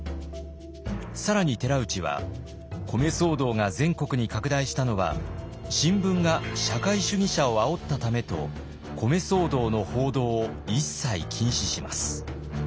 更に寺内は米騒動が全国に拡大したのは新聞が社会主義者をあおったためと米騒動の報道を一切禁止します。